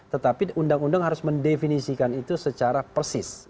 tetapi undang undang harus mendefinisikan itu secara persis